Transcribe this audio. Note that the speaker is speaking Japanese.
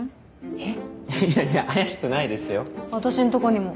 えっ？